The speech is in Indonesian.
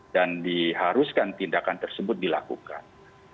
diharuskan tindakan tersebut dilakukan